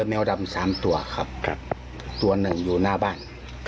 แมวดำ๓ตัวครับตัวหนึ่งอยู่หน้าบ้าน